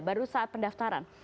baru saat pendaftaran